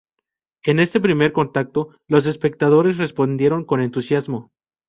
En este primer contacto, los espectadores respondieron con entusiasmo.